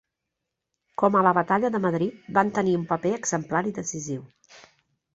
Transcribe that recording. Com a la Batalla de Madrid van tenir un paper exemplar i decisiu.